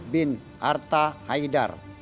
bin arta haidar